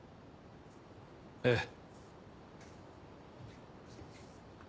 ええ。